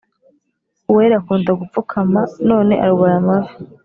uwera akunda gupfukama none arwaye amavi